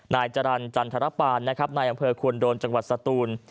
นายจรรจรรผลป่านนายอำเภอควนดรจังหวัดสตูน